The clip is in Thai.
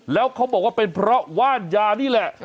แล้วเขาบอกว่าเป็นเพราะว่านยานี่แหละ